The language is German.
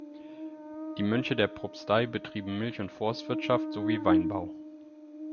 Die Mönche der Propstei betrieben Milch- und Forstwirtschaft sowie Weinbau.